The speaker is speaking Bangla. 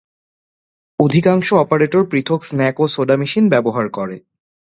অধিকাংশ অপারেটর পৃথক স্ন্যাক এবং সোডা মেশিন ব্যবহার করে।